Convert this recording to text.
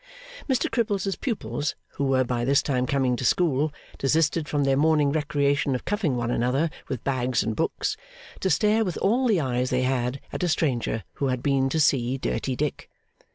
Mr Cripples's pupils, who were by this time coming to school, desisted from their morning recreation of cuffing one another with bags and books, to stare with all the eyes they had at a stranger who had been to see Dirty Dick.